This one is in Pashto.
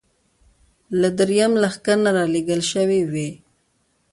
له درېیم لښکر نه را لېږل شوې وې.